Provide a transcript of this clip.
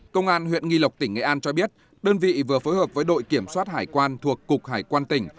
công an huyện nghi lộc tỉnh nghệ an cho biết đơn vị vừa phối hợp với đội kiểm soát hải quan thuộc cục hải quan tỉnh